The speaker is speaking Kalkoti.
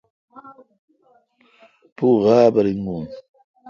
پو غاب ریگون۔